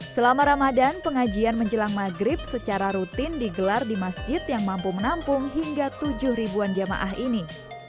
selama ramadan pengajian menjelang maghrib secara rutin digelar di masjid yang mampu menampung hingga tujuh ribuan jamaah ini